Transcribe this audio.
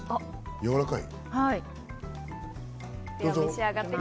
やわらかい。